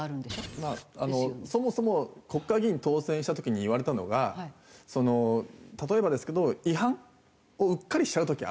まあそもそも国会議員に当選した時に言われたのがその例えばですけど違反をうっかりしちゃう時があると。